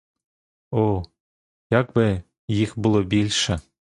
О, як би їх було більше!